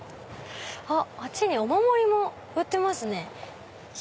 こっちにお守りも売ってますね。